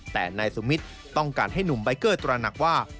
แต่นายสุมิตรต้องการให้หนุ่มใบเกอร์ตระหนักว่า